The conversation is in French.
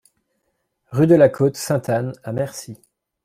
Rue de la Côte Sainte-Anne à Mercy